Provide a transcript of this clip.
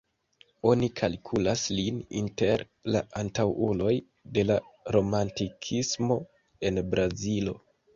Oni kalkulas lin inter la antaŭuloj de la Romantikismo en Brazilo.